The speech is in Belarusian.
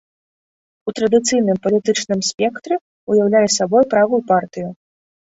У традыцыйным палітычным спектры ўяўляе сабой правую партыю.